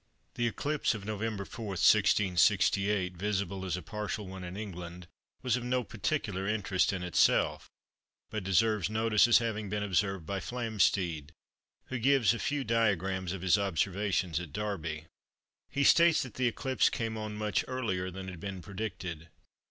The eclipse of November 4, 1668, visible as a partial one in England, was of no particular interest in itself but deserves notice as having been observed by Flamsteed, who gives a few diagrams of his observations at Derby. He states that the eclipse came on much earlier than had been predicted.